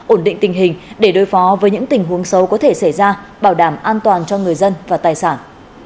ổn định tình hình để đối phó với những tình huống xấu có thể xảy ra bảo đảm an toàn cho người dân và tài sản